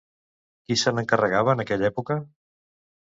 Qui se n'encarregava en aquella època?